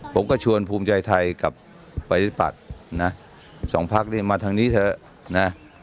ผมก็ชวนภูมิใจไทยกับบริษัทสองพักมาทางนี้เถอะ